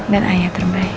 dan ayah terbaik